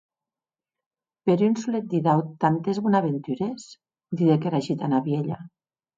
Per un solet didau tantes bonaventures?, didec era gitana vielha.